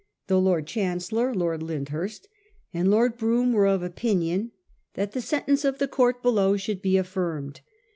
The Lord Chancellor (Lord Lyndhurst) and Lord Brougham were of opinion that the sentence of the court below should be affirmed.